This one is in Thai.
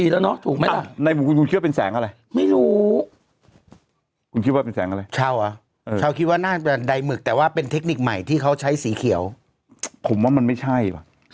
แต่หมายถึงว่าคนที่จะไปได้โคต้าแล้วจริง